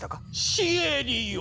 シエリよ！